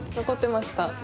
残ってました。